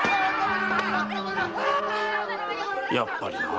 やっぱりな。